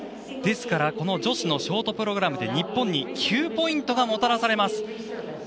ですから、この女子のショートプログラムで日本に９ポイントがもたらされます。